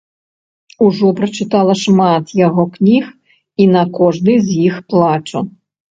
Ужо прачытала шмат яго кніг, і на кожнай з іх плачу.